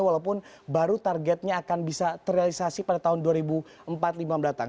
walaupun baru targetnya akan bisa terrealisasi pada tahun dua ribu empat puluh lima mendatang